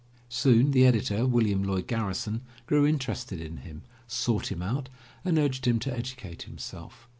Soon the editor, William Lloyd Garrison, grew interested in him, sought him out, and urged him to educate himself.